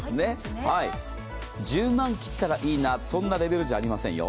１０万切ったらいいな、そんなレベルじゃありませんよ。